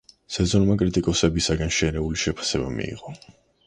სეზონმა კრიტიკოსებისაგან შერეული შეფასება მიიღო.